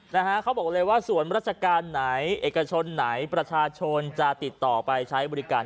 นะฮะเขาบอกเลยว่าส่วนราชการไหนเอกชนไหนประชาชนจะติดต่อไปใช้บริการ